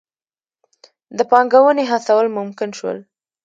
د پانګونې هڅول ممکن شول.